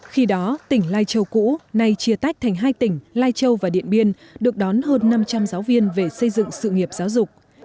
khi đó tỉnh lai châu cũ nay chia tách thành hai tỉnh lai châu và điện biên được đón hơn năm trăm linh giáo viên về xây dựng sự nghiệp giáo dục